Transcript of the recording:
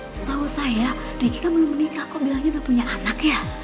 setahu saya ricika belum menikah kok bilangnya udah punya anak ya